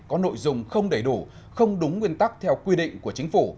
có nội dung không đầy đủ không đúng nguyên tắc theo quy định của chính phủ